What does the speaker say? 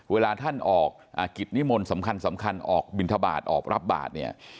เวลาท่านออกกิจนิมนต์สำคัญออกบินทบาทออกรับบาทเนี่ย